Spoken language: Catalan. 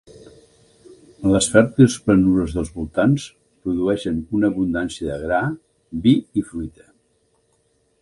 Les fèrtils planures dels voltants produeixen una abundància de gra, vi i fruita.